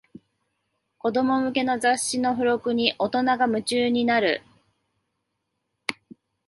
子供向けの雑誌の付録に大人が夢中になる